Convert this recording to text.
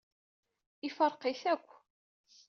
Ifṛeq-it akk.